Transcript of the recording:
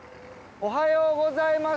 おはようございます。